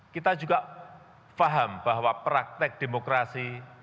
kita juga paham bahwa praktek demokrasi